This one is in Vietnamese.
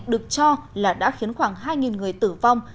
được cho là đã khiến khoảng hai người tử vong